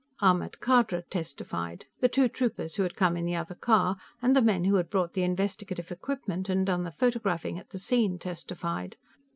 Ahmed Khadra testified. The two troopers who had come in the other car, and the men who had brought the investigative equipment and done the photographing at the scene testified.